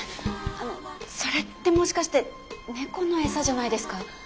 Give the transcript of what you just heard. あのそれってもしかして猫の餌じゃないですか？